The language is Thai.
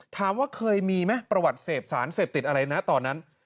ถามว่าเคยมีไหมประวัติเสพสารเสพติดอะไรนะตอนนั้น